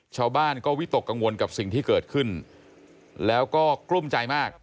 ชาวบ้านก็วิตกกังวลกับสิ่งที่เกิดขึ้นแล้วก็กลุ้มใจมาก